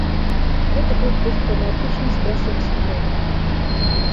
Гэта быў посттраўматычны стрэсавы сіндром.